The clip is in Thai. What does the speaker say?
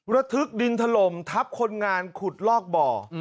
ระทึกดินถล่มทับคนงานขุดลอกบ่อ